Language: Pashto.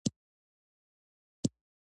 اکسپرسیونیزم یو بل ډیر مهم هنري غورځنګ دی.